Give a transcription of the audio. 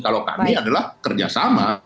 kalau kami adalah kerja sama